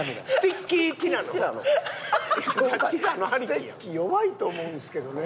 ステッキ弱いと思うんですけどね。